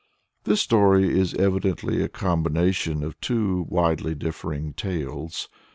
This story is evidently a combination of two widely differing tales.